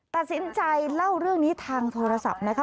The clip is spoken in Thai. ตัดสินใจเล่าเรื่องนี้ทางโทรศัพท์นะคะ